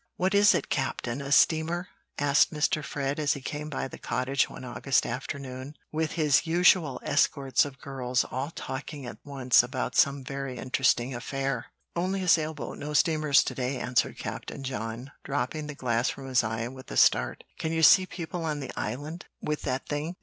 "What is it, Captain, a steamer?" asked Mr. Fred, as he came by the cottage one August afternoon, with his usual escort of girls, all talking at once about some very interesting affair. "Only a sail boat; no steamers to day," answered Captain John, dropping the glass from his eye with a start. "Can you see people on the Island with that thing?